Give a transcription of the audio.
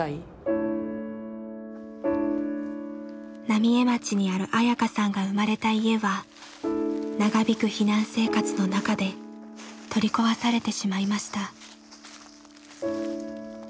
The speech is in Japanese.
浪江町にある恵佳さんが生まれた家は長引く避難生活の中で取り壊されてしまいました。